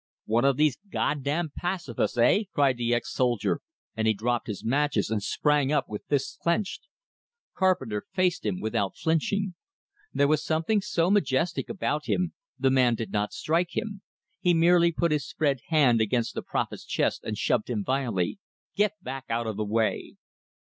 "One of these God damn pacifists, eh?" cried the ex soldier; and he dropped his matches and sprang up with fists clenched. Carpenter faced him without flinching; there was something so majestic about him, the man did not strike him, he merely put his spread hand against the prophet's chest and shoved him violently. "Get back out of the way!"